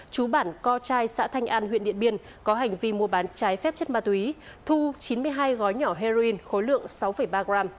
chú bản co trai xã thanh an huyện điện biên có hành vi mua bán trái phép chất ma túy thu chín mươi hai gói nhỏ heroin khối lượng sáu ba gram